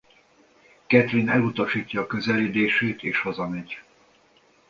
Katrin elutasítja a közeledését és hazamegy.